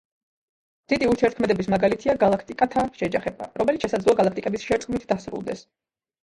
დიდი ურთიერთქმედების მაგალითია გალაქტიკათა შეჯახება, რომელიც შესაძლოა გალაქტიკების შერწყმით დასრულდეს.